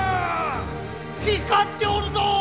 光っておるぞ！